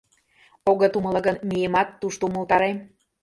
Огыт умыло гын, миемат, тушто умылтарем.